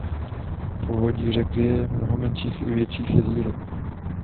V povodí řeky je mnoho menších i větších jezírek.